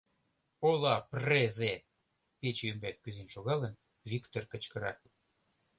— Ола презе! — пече ӱмбак кӱзен шогалын, Виктыр кычкыра.